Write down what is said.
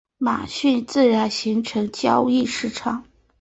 马甸自然形成交易市场。